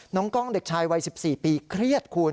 น้องกล้องเด็กชายวัย๑๔ปีเครียดคุณ